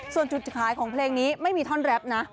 ส่วนจุดขายของเพลงนี้ไม่มีท่อนแรปนะ